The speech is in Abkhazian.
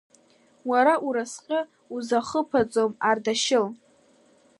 Уара уразҟы узахыԥаӡом, Ардашьыл.